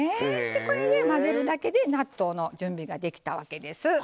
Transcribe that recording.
これで混ぜるだけで納豆の準備ができたわけです。